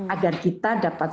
agar kita dapat